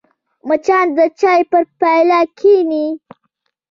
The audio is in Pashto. مچان د چای پر پیاله کښېني